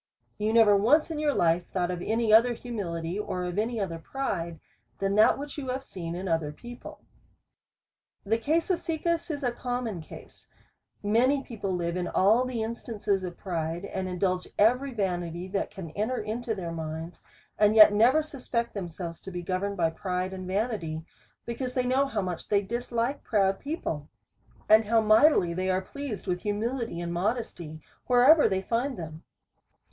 You never once in your life thought of any other humility, or of any other pride, than that which you have seen in other people. The case of Caecus is a common case ; many peo ple live in all the instances of pride, and intlulge every vanity that can enter into their minds, and yet never suspect themselves to be governed bv pride and vani p 1 ^16 A SERIOUS CALL TO A ty, because they know how much they dishke proud people, and how mightily they are pleased with humi lity and modesty, wherever they find them.